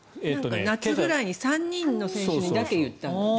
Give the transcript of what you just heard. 夏ぐらいに３人の選手にだけ言ったって。